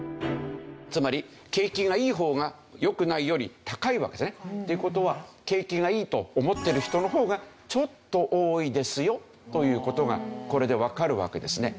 つまり景気がいい方が良くないより高いわけですね。っていう事は景気がいいと思ってる人の方がちょっと多いですよという事がこれでわかるわけですね。